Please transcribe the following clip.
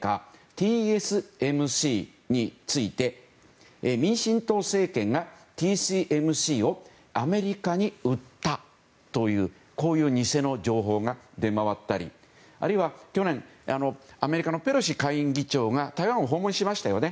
ＴＳＭＣについて民進党政権がＴＳＭＣをアメリカに売ったという偽の情報が出回ったりあるいは、去年アメリカのペロシ下院議長が台湾を訪問しましたよね。